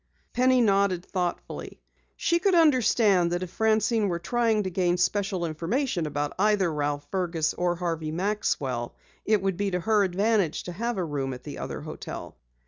Penny nodded thoughtfully. She could understand that if Francine were trying to gain special information about either Ralph Fergus or Harvey Maxwell, it would be to her advantage to have a room at the other hotel.